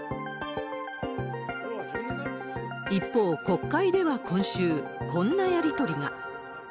一方、国会では今週、こんなやり取りが。